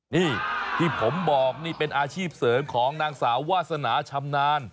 นี่ที่ผมบอกนี่เป็นอาชีพเสริมของนางสาววาสนาชำนาญ